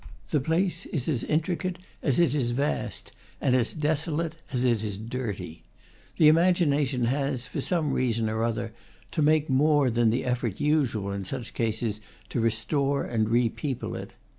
The place is as intricate as it is vast, and as desolate as it is dirty. The imagination has, for some reason or other, to make more than the effort usual in such cases to re store and repeople it.